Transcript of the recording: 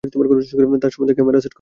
তার চশমাতে camera set করা আছে।